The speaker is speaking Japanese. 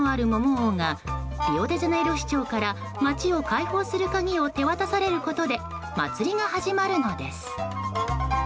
王がリオデジャネイロ市長から街を解放する鍵を手渡されることで祭りが始まるのです。